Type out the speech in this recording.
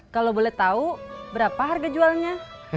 kalau boleh tahu berapa harga jualnya